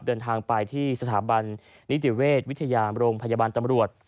เดินทางไปที่สถาบันนิติเวชวิทยาโรงพยาบาลตำรวจ